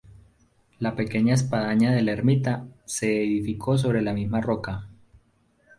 La pequeña espadaña de la ermita se edificó sobre la misma roca.